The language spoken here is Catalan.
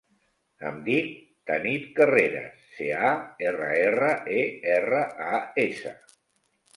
Em dic Tanit Carreras: ce, a, erra, erra, e, erra, a, essa.